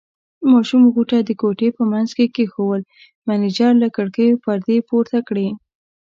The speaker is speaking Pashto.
ماشوم غوټه د کوټې په منځ کې کېښوول، مېنېجر له کړکیو پردې پورته کړې.